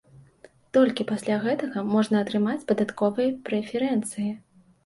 Толькі пасля гэтага можна атрымаць падатковыя прэферэнцыі.